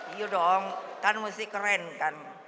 iya dong kan mesti keren kan